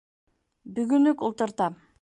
— Бөгөн үк ултыртам!